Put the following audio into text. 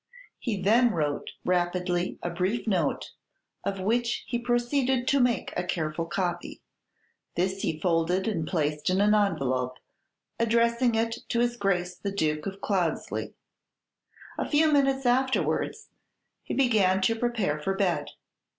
He then wrote rapidly a brief note, of which he proceeded to make a careful copy. This he folded and placed in an envelope, addressing it to his Grace the Duke of Cloudeslie. A few minutes afterwards he began to prepare for bed.